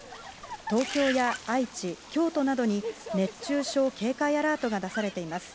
東京や愛知、京都などに熱中症警戒アラートが出されています。